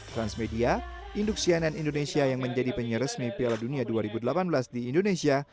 transmedia induk cnn indonesia yang menjadi penyeresmi piala dunia dua ribu delapan belas di indonesia